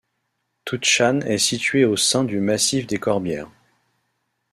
Tuchan est située au sein du massif des Corbières.